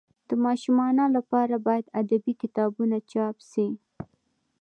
د ماشومانو لپاره باید ادبي کتابونه چاپ سي.